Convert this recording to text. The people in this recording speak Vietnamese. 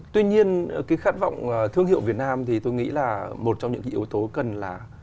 tuy nhiên cái khát vọng thương hiệu việt nam thì tôi nghĩ là một trong những cái yếu tố cần là